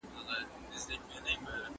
زه به اوږده موده د ښوونځي کتابونه مطالعه کړم،